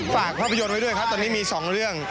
ฝากภาพยนตร์ไว้ด้วยครับตอนนี้มี๒เรื่อง